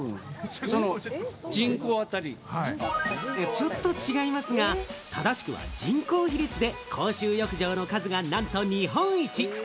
ちょっと違いますが、正しくは人口比率で公衆浴場の数が何と日本一。